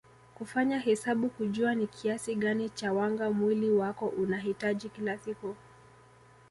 Kufanya hesabu kujua ni kiasi gani cha wanga mwili wako unahitaji kila siku